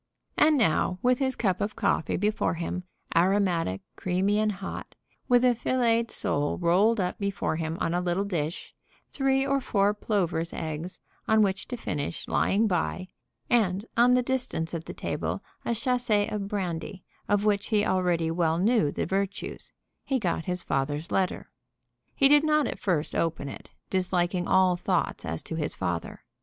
And now, with his cup of coffee before him, aromatic, creamy, and hot, with a filleted sole rolled up before him on a little dish, three or four plover's eggs, on which to finish, lying by, and, on the distance of the table, a chasse of brandy, of which he already well knew the virtues, he got his father's letter. He did not at first open it, disliking all thoughts as to his father.